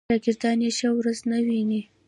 شاګردان یې ښه ورځ نه ویني.